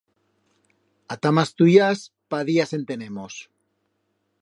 A tamas tuyas, pa días en tenemos!